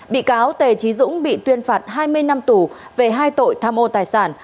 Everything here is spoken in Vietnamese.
bị cáo t chí dũng bị tuyên phạt hai mươi năm tù về hai tội tham ô tài sản